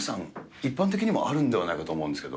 一般的にもあるんではないかと思うんですけど。